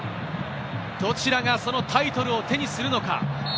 どちらがそのタイトルを手にするのか。